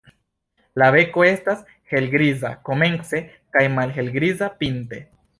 La beko estas helgriza komence kaj malhelgriza pinte.